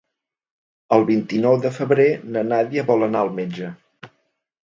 El vint-i-nou de febrer na Nàdia vol anar al metge.